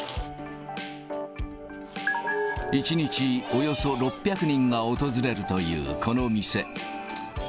１日およそ６００人が訪れるというこの店。